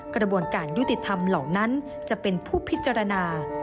กระบวนการยุติธรรมเหล่านั้นจะเป็นผู้พิจารณา